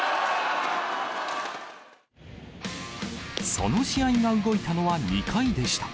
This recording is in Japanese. その試合が動いたのは、２回でした。